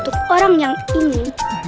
aku punya ide